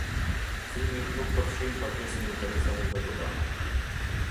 Kthimi nuk përfshin pagesën e interesave nga Dogana.